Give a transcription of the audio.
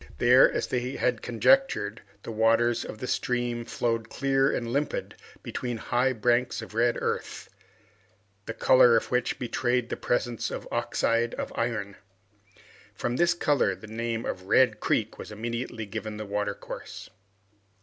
There, as they had conjectured, the waters of the stream flowed clear and limpid between high banks of red earth, the color of which betrayed the presence of oxide of iron. From this color, the name of Red Creek was immediately given to the watercourse.